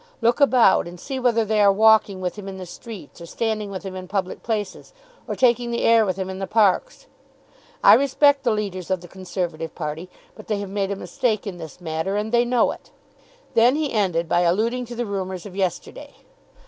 Look about, and see whether they are walking with him in the streets, or standing with him in public places, or taking the air with him in the parks. I respect the leaders of the Conservative party; but they have made a mistake in this matter, and they know it." Then he ended by alluding to the rumours of yesterday.